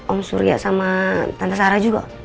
om surya sama tante sarah juga